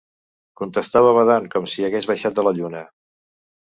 Contestava badant com si hagués baixat de la lluna